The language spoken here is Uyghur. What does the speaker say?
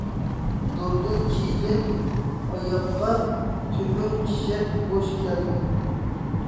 دۇردۇن كىيگەن ئاياغقا، تۆمۈر كىشەن بوش كەلدى.